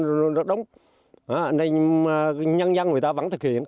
nhưng mà nhân dân người ta vẫn thực hiện